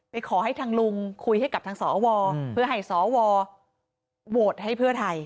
ขอให้ทางลุงคุยให้กับทางสวเพื่อให้สวโหวตให้เพื่อไทย